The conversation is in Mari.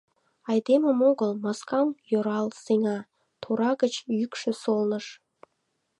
Айдемым огыл — маскам йӧрал сеҥа, — тора гыч йӱкшӧ солныш.